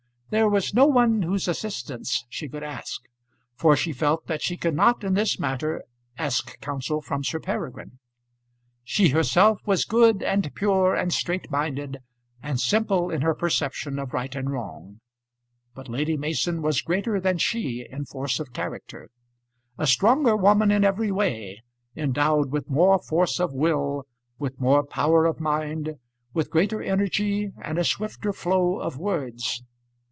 There was no one whose assistance she could ask; for she felt that she could not in this matter ask counsel from Sir Peregrine. She herself was good, and pure, and straightminded, and simple in her perception of right and wrong; but Lady Mason was greater than she in force of character, a stronger woman in every way, endowed with more force of will, with more power of mind, with greater energy, and a swifter flow of words.